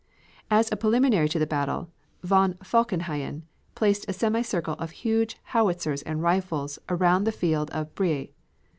As a preliminary to the battle, von Falkenhayn placed a semicircle of huge howitzers and rifles around the field of Briey.